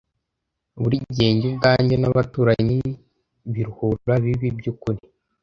Burigihe njye ubwanjye nabaturanyi, biruhura, bibi, byukuri,